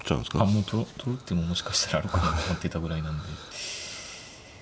あもう取る手ももしかしたらあるかなと思っていたぐらいなんで。